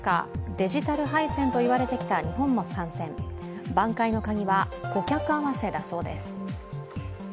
デジタル敗戦ともいわれてきた日本も参戦、挽回のカギは顧客合わせだそうです。